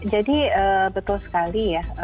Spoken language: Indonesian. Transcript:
jadi betul sekali ya